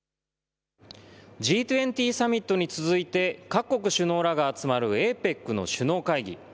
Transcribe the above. Ｇ２０サミットに続いて、各国首脳らが集まるＡＰＥＣの首脳会議。